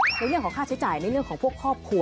อย่างแรกเลยก็คือการทำบุญเกี่ยวกับเรื่องของพวกการเงินโชคลาภ